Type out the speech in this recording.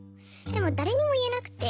でも誰にも言えなくて。